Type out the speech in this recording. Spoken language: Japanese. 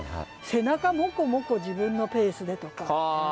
「背中もこもこ自分のペースで」とか。